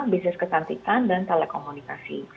bisnis kecantikan dan telekomunikasi